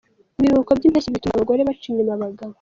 Ibiruhuko by’impeshyi bituma abagore baca inyuma abagabo